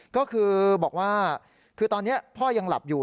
ก็คือบอกว่าคือตอนนี้พ่อยังหลับอยู่